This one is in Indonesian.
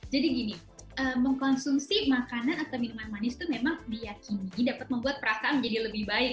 jadi gini mengkonsumsi makanan atau minuman manis itu memang diyakini dapat membuat perasaan menjadi lebih baik